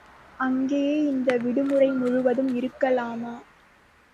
அங்கேயே இந்த விடுமுறை முழுவதும் இருக்கலாமா?